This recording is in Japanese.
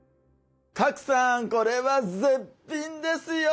賀来さんこれは絶品ですよ。